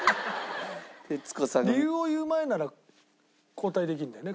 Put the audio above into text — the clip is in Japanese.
理由を言う前なら交代できるんだよね？